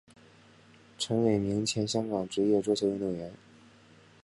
陈伟明前香港职业桌球运动员。